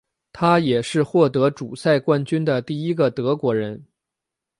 他也是获得主赛冠军的第一个德国人。